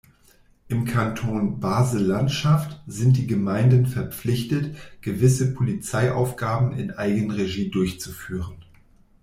Im Kanton Basel-Landschaft sind die Gemeinden verpflichtet, gewisse Polizeiaufgaben in Eigenregie durchzuführen.